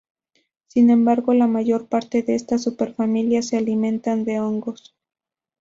Sin embargo la mayor parte de esta superfamilia se alimentan de hongos.